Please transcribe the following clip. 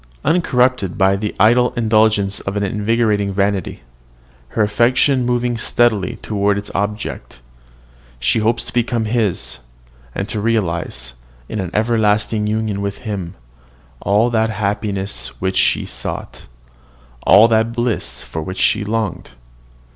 Uncorrupted by the idle indulgence of an enervating vanity, her affection moving steadily toward its object, she hopes to become his, and to realise, in an everlasting union with him, all that happiness which she sought, all that bliss for which she longed.